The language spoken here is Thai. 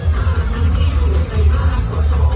มันเป็นเมื่อไหร่แล้ว